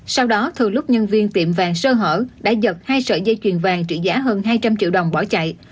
sau đó thường lúc nhân viên tiệm vàng sơ hở đã giật hai sợi dây chuyền vàng trị giá hơn hai trăm linh triệu đồng bỏ chạy